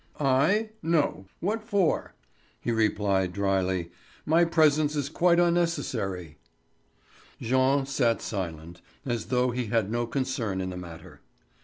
"I? No. What for?" he replied dryly. "My presence is quite unnecessary." Jean sat silent, as though he had no concern in the matter.